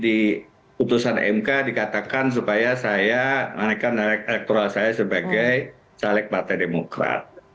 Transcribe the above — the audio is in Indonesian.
di putusan mk dikatakan supaya saya naikkan elektoral saya sebagai caleg partai demokrat